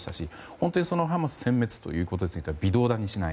本当にハマス殲滅ということについては微動だにしない。